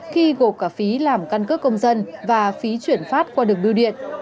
khi gộp cả phí làm căn cước công dân và phí chuyển phát qua đường biêu điện